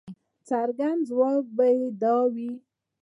څرګند ځواب به یې دا وي.